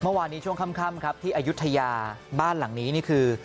เมื่อวานนี้ช่วงค่ำครับที่อายุทยาบ้านหลังนี้นี่คือ